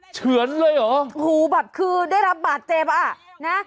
เฉือนเลยเหรอโอ้โหแบบคือได้รับบาดเจ็บอ่ะนะ